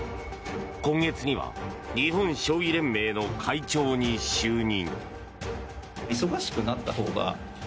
今月には日本将棋連盟の会長に就任。